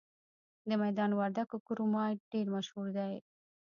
د میدان وردګو کرومایټ ډیر مشهور دی.